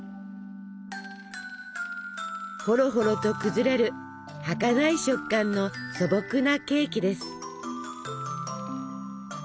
ほろほろと崩れるはかない食感の素朴なケーキです。